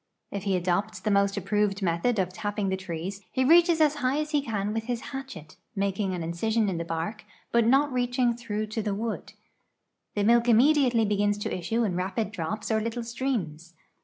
" If he adopts the most approved method of tapping the trees, he reaches as high as he can with his hatchet, making an incision in the bark, but not reaching through to the wood. The milk immediately begins to issue in rapid drops or little streams.